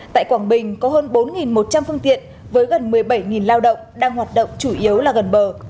tại quảng bình có hơn bốn một trăm linh phương tiện với gần một mươi bảy lao động đang hoạt động chủ yếu là gần bờ